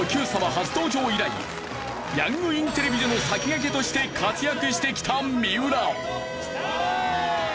初登場以来ヤングインテリ美女の先駆けとして活躍してきた三浦。